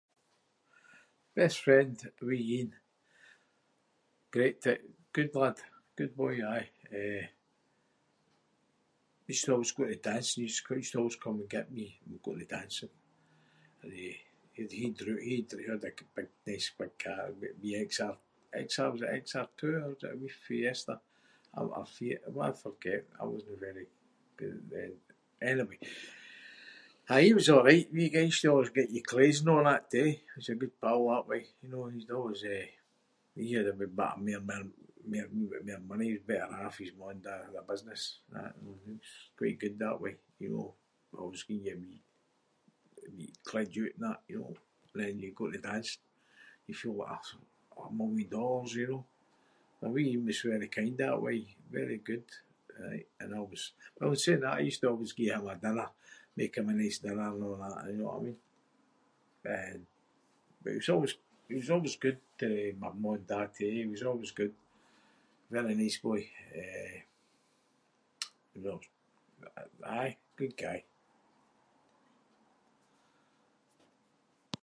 Best friend – wee Ian. Great t- good lad. Good boy, aye. Eh, used to always go to the dancing. Used to- used to always come and get me and we’d go to the dancing. And he- he dro- he had a c- a big- nice big car. A wee XR- XR- was it XR two or was it a wee Fiesta? Or- or Fiat? Oh, I forget. I wasnae very good at the- anyway. Aye, he was a’right wee guy. He used to always get you claes and a’ that too. He was a good pal that way, you know? He was always, eh, he had a bit mair money- wee bit mair money. He was better off. His maw and da had a business and that and he was quite good that way, you know. Always gieing you a wee- a wee- clothed you oot and that, you know. And then you’d go to the dancing and you’d feel like a s- a million dollars, you know. No, wee Ian was very kind that way. Very good, aye. And I always- well in saying that, I used to always gie him a dinner- make him a nice dinner and a’ that, eh, know what I mean? Eh, but he was always- he was always good to my maw and da too. He was always good. Very nice boy. Eh, he was always- aye. Good guy.